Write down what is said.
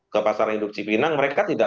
ke pasar induk cipinang mereka tidak